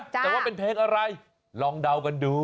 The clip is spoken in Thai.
แต่ว่าเป็นเพลงอะไรลองเดากันดู